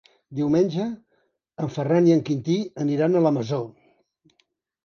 Diumenge en Ferran i en Quintí aniran a la Masó.